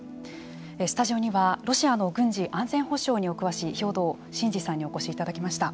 スタジオにはロシアの軍事・安全保障にお詳しい兵頭慎治さんにお越しいただきました。